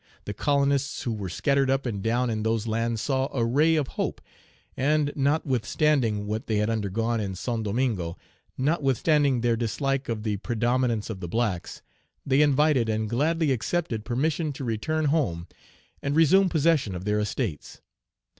The colonists who were scattered up and down in those lands saw a ray of hope, and, notwithstanding what they had undergone in Saint Domingo, notwithstanding their dislike of the predominance of the blacks, they invited and gladly accepted permission to return home and resume possession of their estates.